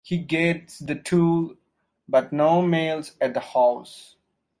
He gets the tool but no males at the house.